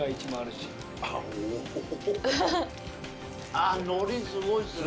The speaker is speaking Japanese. あっのりすごいっすね。